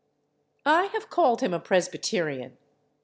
I have called him a Presbyterian.